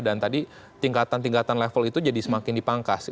dan tadi tingkatan tingkatan level itu jadi semakin dipangkas